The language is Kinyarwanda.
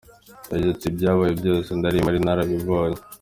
Yagize ati “Ibyabaye byose nari mpari narabibonye.